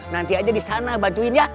nanti aja di sana bantuin ya